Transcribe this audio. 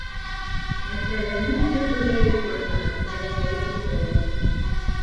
Мәсьәләнең төп үҙәге шунда - белемегеҙ түбән.